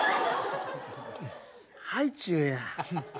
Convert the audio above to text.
ハイチュウや。